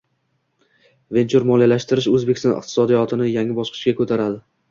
Venchur moliyalashtirish O‘zbekiston iqtisodiyotini yangi bosqichga ko‘taradi